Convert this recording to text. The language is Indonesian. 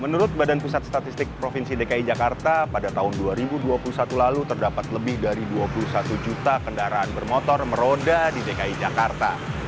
menurut badan pusat statistik provinsi dki jakarta pada tahun dua ribu dua puluh satu lalu terdapat lebih dari dua puluh satu juta kendaraan bermotor meroda di dki jakarta